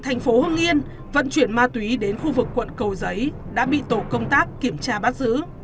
thành phố hưng yên vận chuyển ma túy đến khu vực quận cầu giấy đã bị tổ công tác kiểm tra bắt giữ